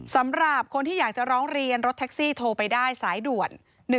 สำหรับคนที่อยากจะร้องเรียนรถแท็กซี่โทรไปได้สายด่วน๑๒